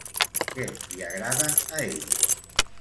Què li agrada a ell?